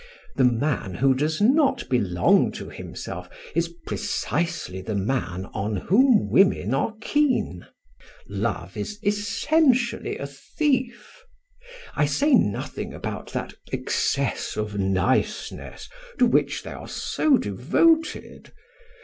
The man who does not belong to himself is precisely the man on whom women are keen. Love is essentially a thief. I say nothing about that excess of niceness to which they are so devoted.